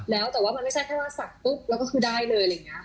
แล้วแต่ว่ามันไม่ใช่แค่ว่าสักปุ๊บแล้วก็คือได้เลยอะไรอย่างนี้